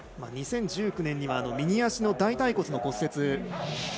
２０１９年には右足の大たい骨の骨折。